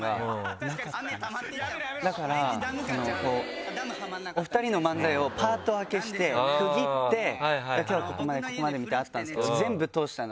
だからお二人の漫才をパート分けして区切って今日はここまでここまでみたいなのはあったんですけど。